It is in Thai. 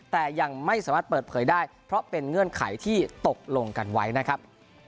แต่ยังไม่สามารถเปิดเผยได้เพราะเป็นเงื่อนไขที่ตกลงกันไว้นะครับ